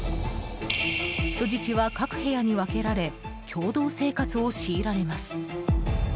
人質は各部屋に分けられ共同生活を強いられます。